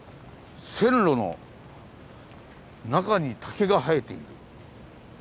線路の中に竹が生えている。